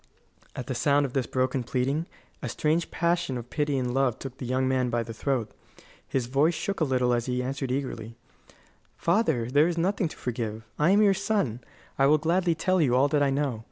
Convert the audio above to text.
At the sound of this broken pleading a strange passion of pity and love took the young man by the throat. His voice shook a little as he answered eagerly: "Father, there is nothing to forgive. I am your son; I will gladly tell you all that I know.